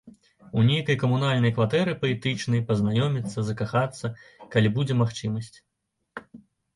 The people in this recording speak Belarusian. У нейкай камунальнай кватэры паэтычнай, пазнаёміцца, закахацца, калі будзе магчымасць.